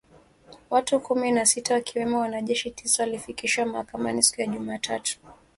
Watu kumi na sita wakiwemo wanajeshi tisa walifikishwa mahakamani siku ya Jumatatu